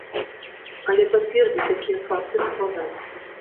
Але пацвердзіць такія факты складана.